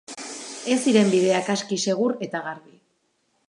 Ez ziren bideak aski segur eta garbi.